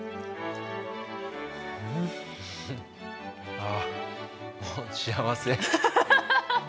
あもう幸せ。